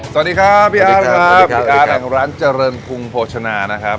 สวัสดีครับพี่อาร์ครับพี่อาร์ทางร้านเจริญกรุงโภชนานะครับ